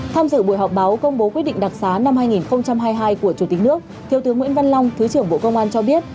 tham dự buổi họp báo công bố quyết định đặc xá năm hai nghìn hai mươi hai của chủ tịch nước thiếu tướng nguyễn văn long thứ trưởng bộ công an cho biết